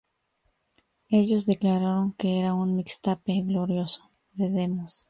Ellos declararon que era un "mixtape glorioso" de demos.